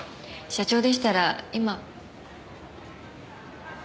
社長でしたら今。